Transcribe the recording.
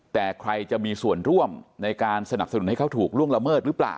แต่ใครจะมีส่วนร่วมในการสนับสนุนให้เขาถูกล่วงละเมิดหรือเปล่า